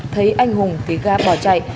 thấy anh hùng thì ga bỏ chạy